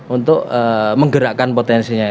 untuk menggerakkan potensinya itu